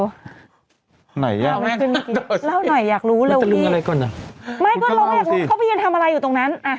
เราจะลืมอะไรก่อนนะเนี่ยเราก็ล่วงเขาเพื่อนทำอะไรอยู่ตรงนั้น